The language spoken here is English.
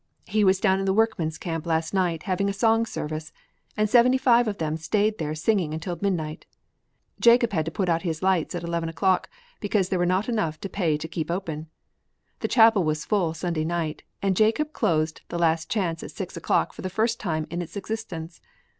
"He was down in the workmen's camp last night having a song service and seventy five of them stayed there singing until midnight. Jacob had to put out his lights at eleven o'clock because there were not enough to pay to keep open. The chapel was full Sunday night and Jacob closed the Last Chance at six o'clock for the first time in its existence.